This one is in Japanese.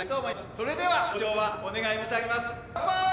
それではご唱和お願い申し上げます。